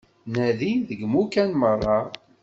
Nadi deg imukan meṛṛa.